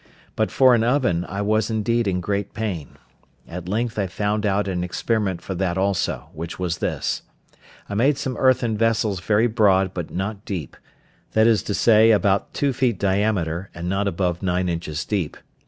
But for an oven I was indeed in great pain. At length I found out an experiment for that also, which was this: I made some earthen vessels very broad but not deep, that is to say, about two feet diameter, and not above nine inches deep.